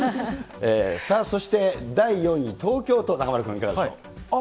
さあ、そして第４位、東京都、中丸君、いかがでしょう。